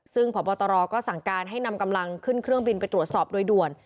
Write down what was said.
ซึ่งพบตรก็สั่งการให้นำกำลังขึ้นเครื่องบินไปตรวจสอบโดยด่วน